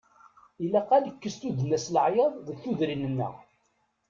Ilaq ad nekkes tuddna s leɛyaḍ deg tudrin-nneɣ.